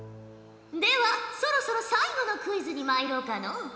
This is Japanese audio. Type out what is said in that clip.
ではそろそろ最後のクイズにまいろうかのう。